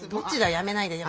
やめないで。